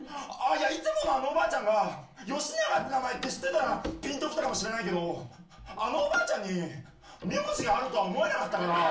いつものあのおばあちゃんがヨシナガって名前って知ってたらぴんときたかもしれないけどあのおばあちゃんに名字があるとは思えなかったから。